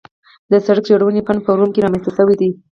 د سړک جوړونې فن په روم کې رامنځته شوی دی